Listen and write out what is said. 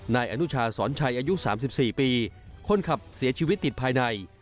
นายอนุชาสอนชัยอายุ๓๔ปีคนขับเสียชีวิตติดภายใน